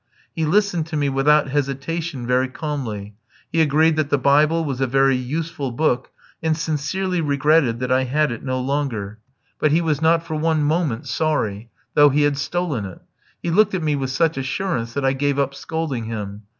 He listened to me without hesitation very calmly. He agreed that the Bible was a very useful book, and sincerely regretted that I had it no longer; but he was not for one moment sorry, though he had stolen it. He looked at me with such assurance that I gave up scolding him.